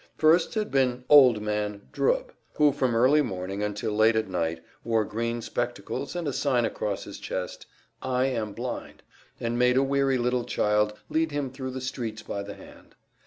First had been "Old Man" Drubb, who from early morning until late at night wore green spectacles, and a sign across his chest, "I am blind," and made a weary little child lead him thru the streets by the hand.